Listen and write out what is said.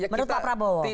menurut pak prabowo